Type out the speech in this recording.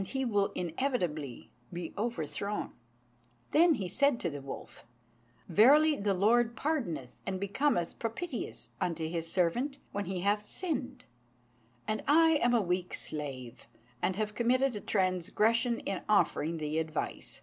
He then said to the wolf, "Verily the Lord pardoneth and becometh propitious unto His servant when he hath sinned; and I am a weak slave, and have committed a transgression in offering thee advice.